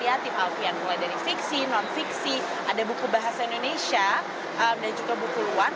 ya tim alfian mulai dari fiksi non fiksi ada buku bahasa indonesia dan juga buku luan